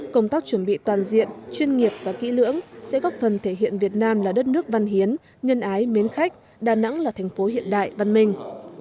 công tác chuẩn bị toàn diện chuyên nghiệp và kỹ lưỡng sẽ góp phần thể hiện việt nam là đất nước văn hiến nhân ái mến khách đà nẵng là thành phố hiện đại văn minh